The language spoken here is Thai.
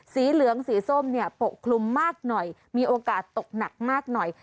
สีเหลืองสีส้มเนี่ยปกคลุมมากหน่อยมีโอกาสตกหนักมากหน่อย